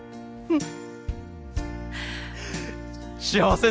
うん。